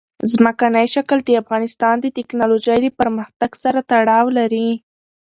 ځمکنی شکل د افغانستان د تکنالوژۍ له پرمختګ سره تړاو لري.